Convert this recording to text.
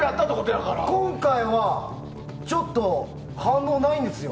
今回は、ちょっと反応ないんですよ。